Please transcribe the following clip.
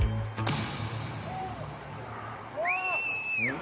ん？